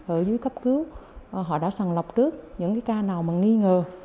ở dưới cấp cứu họ đã sàn lọc trước những ca nào nghi ngờ